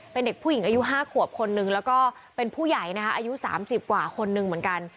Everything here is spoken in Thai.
เป็นเด็กผู้หญิงอายุ๕ขวบคนนึงแล้วก็เป็นผู้ใหญ่นะคะอายุ๓๐กว่าคนนึงเหมือนกัน